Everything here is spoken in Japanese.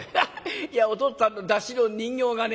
「いやお父っつぁんの山車の人形がね